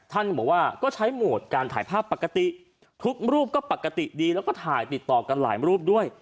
ท่านบอกว่าก็ใช้โหมดการถ่ายภาพปกติทุกรูปก็ปกติดีแล้วก็ถ่ายติดต่อกันหลายรูปด้วย